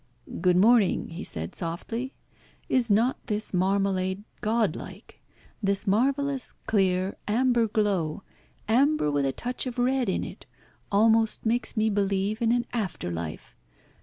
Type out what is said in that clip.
"Good morning," he said softly. "Is not this marmalade Godlike? This marvellous, clear, amber glow, amber with a touch of red in it, almost makes me believe in an after life.